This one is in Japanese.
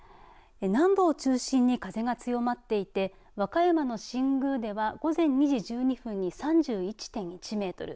南部を中心に風が強まっていて和歌山の新宮では午前２時１２分に３１．１メートル